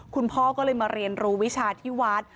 คุณพ่อก็เลยมาเรียนรู้วิชาที่วัด